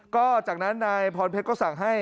ก็จากนั้นนายพรเพชรก็สั่งให้